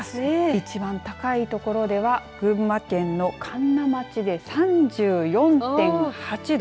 一番高い所では群馬県の神流町で３４．８度。